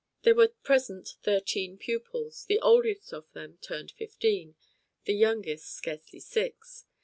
There were present thirteen pupils, the oldest of them turned fifteen, the youngest scarcely six.